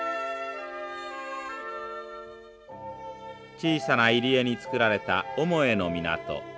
小さな入り江に造られた重茂の港。